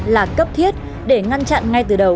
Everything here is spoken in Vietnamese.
là cấp thiết để ngăn chặn ngay từ đầu